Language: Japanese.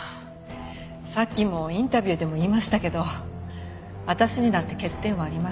さっきもインタビューでも言いましたけど私にだって欠点はあります。